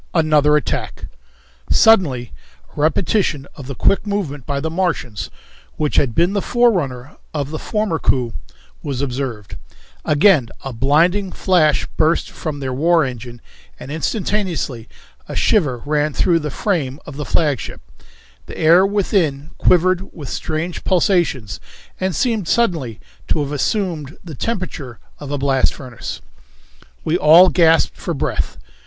Another Attack. Suddenly a repetition of the quick movement by the Martians, which had been the forerunner of the former coup, was observed; again a blinding flash burst from their war engine and instantaneously a shiver ran through the frame of the flagship; the air within quivered with strange pulsations and seemed suddenly to have assumed the temperature of a blast furnace. We all gasped for breath.